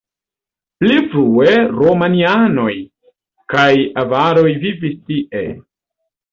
Pli frue romianoj kaj avaroj vivis tie.